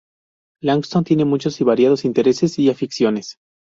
Langston tiene muchos y variados intereses y aficiones.